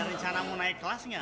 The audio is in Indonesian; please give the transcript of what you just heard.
ada rencana mau naik kelas nggak